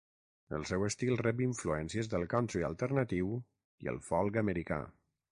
El seu estil rep influències del country alternatiu i el folk americà.